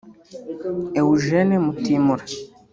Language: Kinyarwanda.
Eugene Mutimura